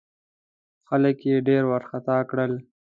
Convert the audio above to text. خلک یې ډېر وارخطا کړل.